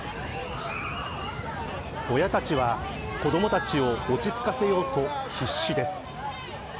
親たちは子どもたちを落ち着かせようと必死です。